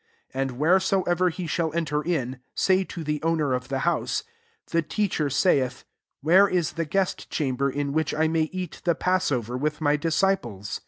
14 And wheresoever he shall enter in, say to the owner of the hous^ ,* The Teacher saithy Where is the guest chamber,, in which^ I ,may eat the passover with my 'disciples